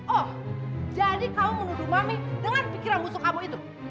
oh jadi kamu menuduh mami dengan pikiran busuk kamu itu